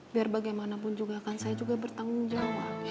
biar bagaimanapun juga kan saya juga bertanggung jawab